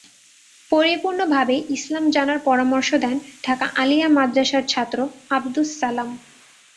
পরিপূর্ণভাবে ইসলাম জানার পরামর্শ দেন ঢাকা আলিয়া মাদ্রাসার ছাত্র আবদুস সালাম।